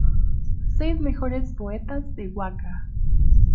Seis mejores poetas de waka